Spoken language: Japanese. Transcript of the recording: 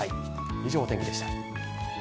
以上、お天気でした。